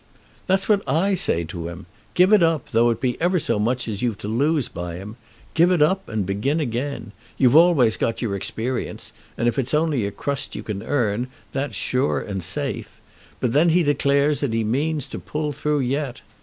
"That's what I say to him. Give it up, though it be ever so much as you've to lose by him. Give it up, and begin again. You've always got your experience, and if it's only a crust you can earn, that's sure and safe. But then he declares that he means to pull through yet.